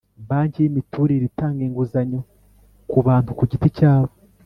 Banki y imiturire itanga inguzanyo ku bantu ku giti cyabo